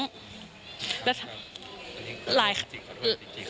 ครับอันนี้จริงขอโทษจริงครับ